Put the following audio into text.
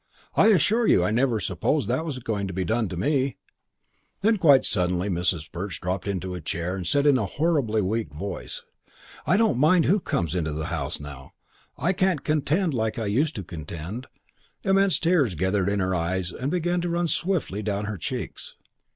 I assure you I never supposed that was going to be done to me." And then quite suddenly Mrs. Perch dropped into a chair and said in a horribly weak voice, "I don't mind who comes into the house, now. I can't contend like I used to contend." Immense tears gathered in her eyes and began to run swiftly down her cheeks.